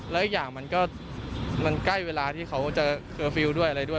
แล้วอีกอย่างมันก็มันใกล้เวลาที่เขาจะเคอร์ฟิลล์ด้วยอะไรด้วย